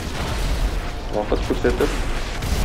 Вакыт күрсәтер.